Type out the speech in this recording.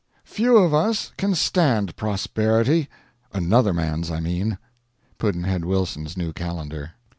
Few of us can stand prosperity. Another man's, I mean. Pudd'nhead Wilson's New Calendar.